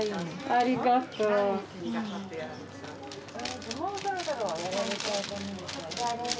ありがとう。